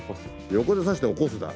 横で刺して起こすだ。